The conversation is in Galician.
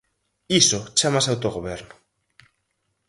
Iso chámase autogoberno.